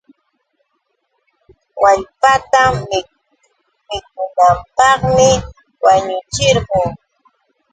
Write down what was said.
Wallpatam mikunanpaq wañuchirqun.